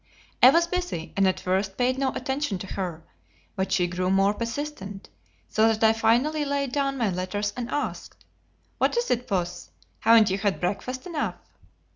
I was busy, and at first paid no attention to her; but she grew more persistent, so that I finally laid down my letters and asked: "What is it, Puss? Haven't you had breakfast enough?"